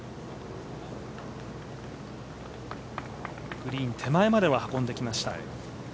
グリーン手前までは運んできました。